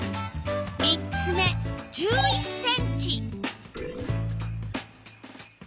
３つ目１１ｃｍ。